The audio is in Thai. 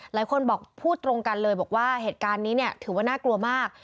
หลายคนบอกพูดตรงกันเลยบอกว่าเหตุการณ์นี้เนี่ยถือว่าน่ากลัวมาก